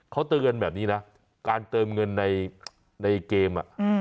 เขาเตือนแบบนี้นะการเติมเงินในเกม